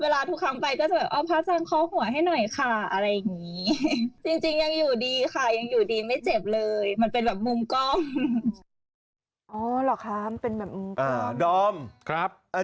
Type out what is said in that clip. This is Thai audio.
เวลาทุกคำไปก็จะแบบว่าพระอาจารย์เคาะหัวให้หน่อยค่ะอะไรอย่างนี้